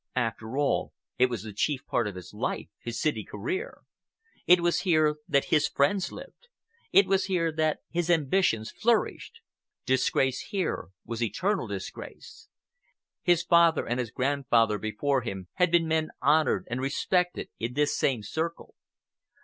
After all, it was the chief part of his life—his city career. It was here that his friends lived. It was here that his ambitions flourished. Disgrace here was eternal disgrace. His father and his grandfather before him had been men honored and respected in this same circle.